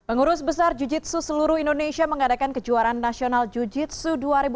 pengurus besar jujitsu seluruh indonesia mengadakan kejuaraan nasional jujitsu dua ribu tujuh belas